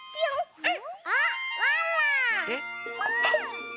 うん？